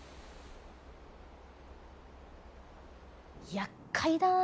やっかいだなあ